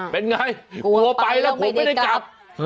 เป็นไงกลัวไปแล้วผมไม่ได้กลับ